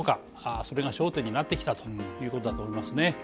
それが焦点になってきたということだと思いますね。